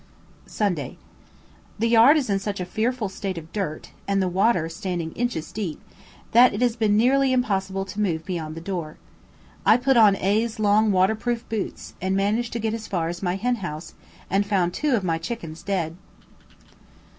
Sunday. The yard is in such a fearful state of dirt, and the water standing inches deep, that it has been nearly impossible to move beyond the door. I put on A 's long waterproof boots, and managed to get as far as my hen house, and found two of my chickens dead.